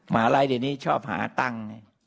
มาอะไรเดี๋ยวนี้ชอบหาตั้ง